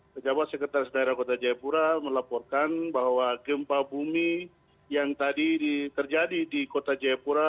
pejabat sekretaris daerah kota jayapura melaporkan bahwa gempa bumi yang tadi terjadi di kota jayapura